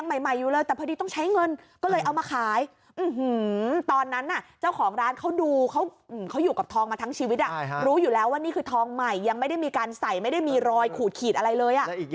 นี่เพิ่งซื้อให้แฟนใส่ได้ไม่กี่วันเองเนี่ย